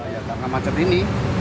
yang akan macet ini